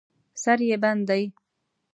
سر یې بند دی.